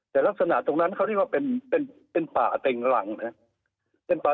แต่ลักษณะตรงนั้นเขาเรียกว่าเป็นป่าเต็งหลังนะครับ